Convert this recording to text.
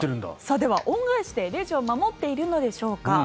では恩返しでレジを守っているのでしょうか。